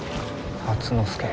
初之助。